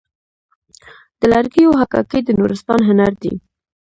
د لرګیو حکاکي د نورستان هنر دی.